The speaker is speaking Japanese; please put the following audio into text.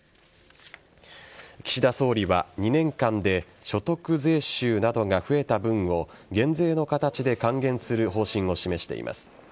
岸田総理は２年間で所得税収などが増えた分を減税の形で還元する方針を示しています。